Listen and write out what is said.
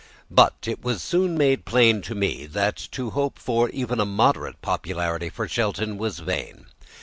But it was soon made plain to me that to hope for even a moderate popularity for Shelton was vain.